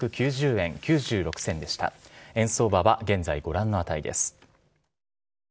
円相場は現在、ご覧の値です。